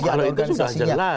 kalau itu sudah jelas